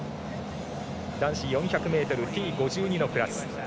男子４００ｍＴ５２のクラス。